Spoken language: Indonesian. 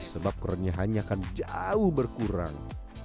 sebab kerennya hanya akan jauh berkurang